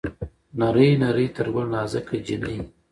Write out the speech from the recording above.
نرۍ نرى تر ګل نازکه جينۍ